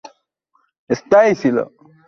স্থায়ী ছিল।